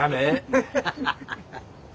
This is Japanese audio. ハハハハ。